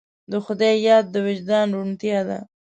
د خدای یاد د وجدان روڼتیا ده.